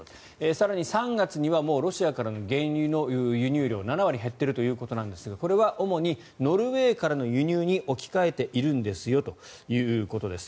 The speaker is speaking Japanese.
更に３月にはもうロシアからの原油の輸入量が７割減っているということなんですがこれは主にノルウェーからの輸入に置き換えているんですよということです。